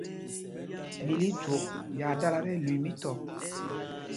Ɓǐl íjwok ɓyaa dala tí ɛlüii mītɔp.